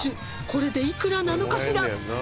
これで幾らなのかしら？